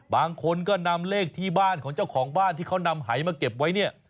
บางคนก็นำเลขที่บ้านของเจ้าของบ้านที่เขานำหายมาเก็บไว้เนี่ย